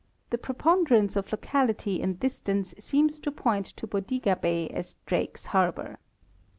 The preponderance of locality and dis tance seems to point to Bodega bay as Drake's harbor.